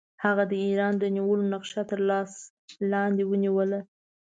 هغه د ایران د نیولو نقشه تر لاس لاندې ونیوله.